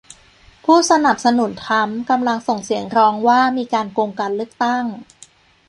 ผู้สนับสนุนทรัมป์กำลังส่งเสียงร้องว่ามีการโกงการเลือกตั้ง